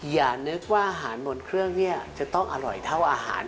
อย่านึกว่าอาหารบนเครื่องเนี่ยจะต้องอร่อยเท่าอาหาร